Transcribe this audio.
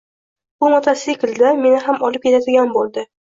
U motosiklida meni ham olib ketadigan bo`ldi